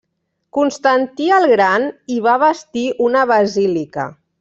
Constantí el gran hi va bastir una basílica.